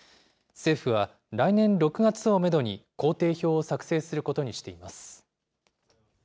政府は、来年６月をメドに、工程表を作成することにしています。